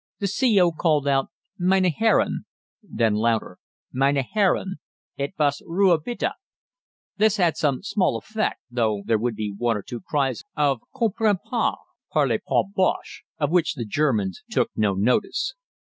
The C.O. called out, "Meine Herren," then louder, "Meine Herren, etwas Ruhe bitte." This had some small effect, though there would be one or two cries of "Comprends pas," "Parle pas Bosche," of which the Germans took no notice.